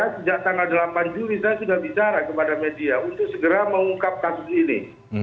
sejak tanggal delapan juli saya sudah bicara kepada media untuk segera mengungkap kasus ini